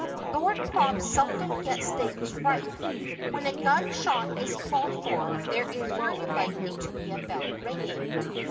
Lord Props seldom gets things right: when a gun shot is called for there is very likely to be a bell ringing.